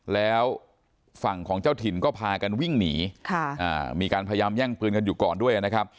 แล้วฝั่งของเจ้าถิ่นก็พากันวิ่งหนีมีการพยายามแย่งปืนกันอยู่ก่อนด้วยนะครับ